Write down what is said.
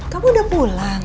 kamu sudah pulang